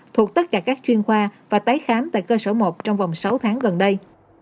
thuộc tất cả các chuyên khoa và tái khám tại cơ sở một trong vòng sáu tháng gần đây